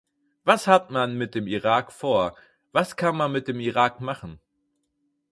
Was hat man mit dem Irak vor, was kann man mit dem Irak machen?